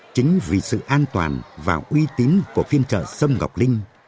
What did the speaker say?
chính vì sự an toàn và uy tín của phiên trở sâm ngọc linh